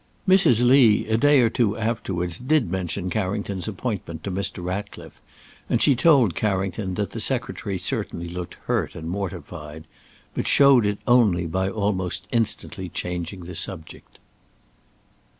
Mrs. Lee, a day or two afterwards, did mention Carrington's appointment to Mr. Ratcliffe, and she told Carrington that the Secretary certainly looked hurt and mortified, but showed it only by almost instantly changing the subject.